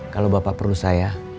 kalau bapak perlu saya